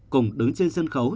cùng đứng trên sân khấu